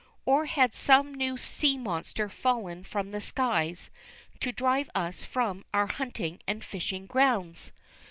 Or, had some new sea monster fallen from the skies to drive us from our hunting and fishing grounds?